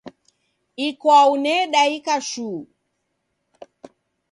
Ikwau nedaika shuu.